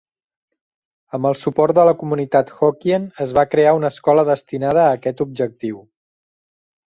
Amb el suport de la comunitat Hokkien, es va crear una escola destinada a aquest objectiu.